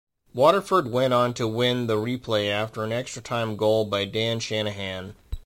Waterford went on to win the replay after an extra-time goal by Dan Shanahan.